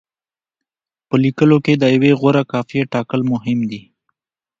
په لیکلو کې د یوې غوره قافیې ټاکل مهم دي.